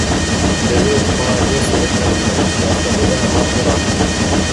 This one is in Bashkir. — Дөрөҫ, молодец, Ирек Хәлимович, ярты һүҙҙән аңлап тораһың